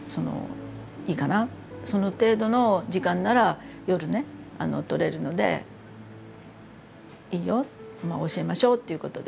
その程度の時間なら夜ねとれるのでいいよ教えましょうっていうことで。